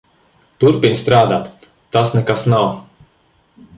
Turpini strādāt. Tas nekas nav.